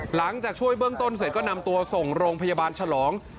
หลังจากช่วยเบื้องต้นเสร็จก็นำตัวส่งโรงพยาบาลฉลอง